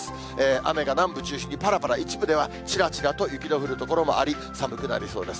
雨が南部中心にぱらぱら、一部ではちらちらと雪の降る所もあり、寒くなりそうです。